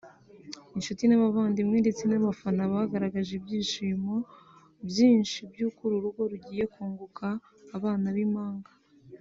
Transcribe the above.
Inshuti n’abavandimwe ndetse n’abafana bagaragaje ibyishimo byinshi by’uko uru rugo rugiye kunguka abana b’impanga